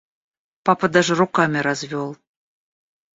Папа даже руками развел.